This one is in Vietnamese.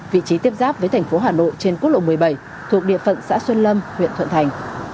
vị trí tiếp giáp với thành phố hà nội trên quốc lộ một mươi bảy thuộc địa phận xã xuân lâm huyện thuận thành